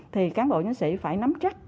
thì cán bộ nhân sĩ phải nắm chắc